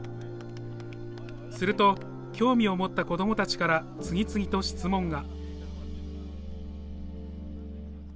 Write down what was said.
すると興味を持った子どもたちから次々と質問が。